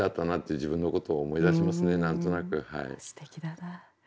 すてきだな。